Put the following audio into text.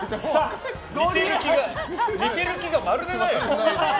似せる気がまるでないよ。